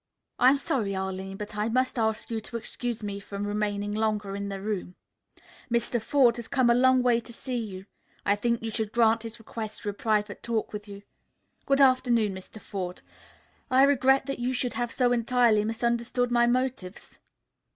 "I am sorry, Arline, but I must ask you to excuse me from remaining longer in the room. Mr. Forde has come a long way to see you. I think you should grant his request for a private talk with you. Good afternoon, Mr. Forde. I regret that you should have so entirely misunderstood my motives."